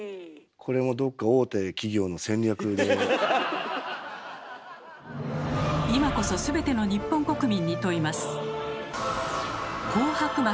これもどっか今こそ全ての日本国民に問います。